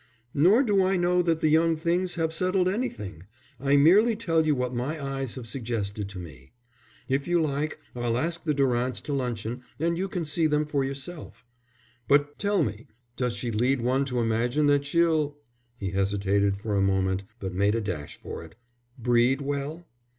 "Nor do I know that the young things have settled anything. I merely tell you what my eyes have suggested to me. If you like, I'll ask the Durants to luncheon, and you can see them for yourself." "But tell me, does she lead one to imagine that she'll " he hesitated for a moment, but made a dash for it, "breed well?"